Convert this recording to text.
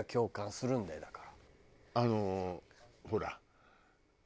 あのほら。